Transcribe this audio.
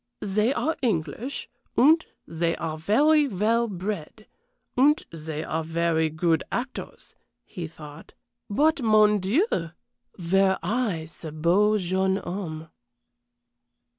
"They are English, and they are very well bred, and they are very good actors," he thought. "But, mon Dieu! were I ce beau jeune homme!"